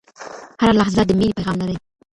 هره لحظه د میني پیغام لري